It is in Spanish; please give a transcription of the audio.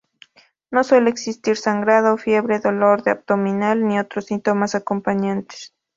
No suele existir sangrado, fiebre, dolor abdominal ni otros síntomas acompañantes.